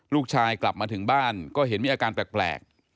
กลับมาถึงบ้านก็เห็นมีอาการแปลก